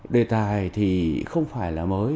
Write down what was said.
đề tài thì không phải là mới